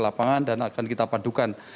lapangan dan akan kita padukan